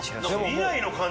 未来の感じがね。